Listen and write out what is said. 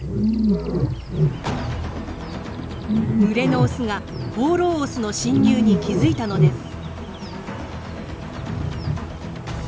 群れのオスが放浪オスの侵入に気付いたのです。